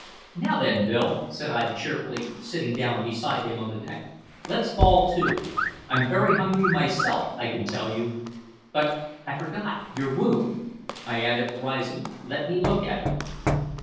"Now, then, Bill," said I cheerfully, sitting down beside him on the deck, "let's fall to. I'm very hungry myself, I can tell you. But I forgot your wound," I added, rising; "let me look at it."